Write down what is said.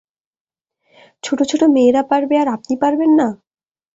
ছোটো ছোটো মেয়েরা পারবে, আর আপনি পারবেন না!